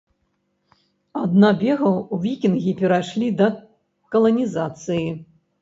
Ад набегаў вікінгі перайшлі да каланізацыі.